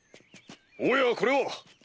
おやこれは！